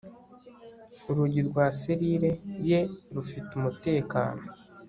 Urugi rwa selire ye rufite umutekano